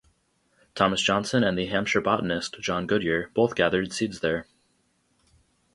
Thomas Johnson and the Hampshire botanist, John Goodyer, both gathered seeds there.